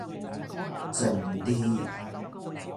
靜啲